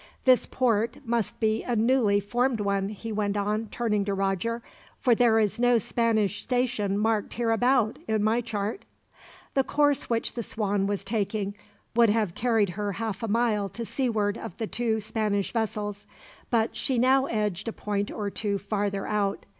"This port must be a newly formed one," he went on, turning to Roger, "for there is no Spanish station marked hereabout, in my chart." The course which the Swan was taking would have carried her half a mile to seaward of the two Spanish vessels, but she now edged a point or two farther out.